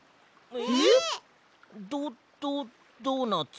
えっ！？ドドドーナツ？